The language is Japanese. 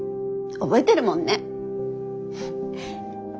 覚えてるもんね。